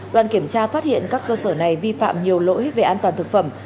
đoàn kiểm tra phát hiện các cơ sở này vi phạm nhiều lỗi về an toàn thực phẩm